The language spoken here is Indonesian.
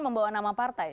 membawa nama partai